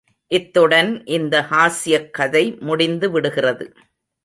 இத்துடன் இந்த ஹாஸ்யக்கதை முடிந்து விடுகிறது.